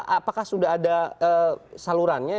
apakah sudah ada salurannya